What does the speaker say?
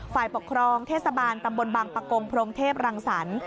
ฝ่ายปกครองเทศบาลตำบลบังปะกงพรมเทพรังสรรค์